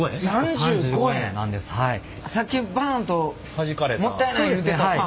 さっきバンともったいない言うてたパン？